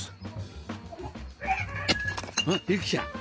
あっゆきちゃん